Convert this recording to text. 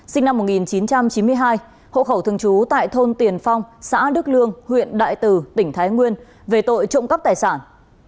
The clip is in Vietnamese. sinh năm một nghìn chín trăm chín mươi hai hộ khẩu thường trú tại thôn tiền phong xã đức lương huyện đại từ tỉnh thái nguyên về tội trộm cắp tài sản